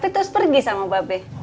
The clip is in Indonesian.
tapi terus pergi sama bapak